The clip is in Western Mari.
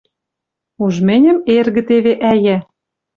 Уж мӹньӹм эргӹ теве ӓя